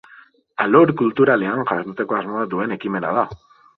Alor kulturalean jarduteko asmoa duen ekimena da.